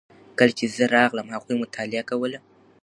کله چې زه راغلم هغوی مطالعه کوله.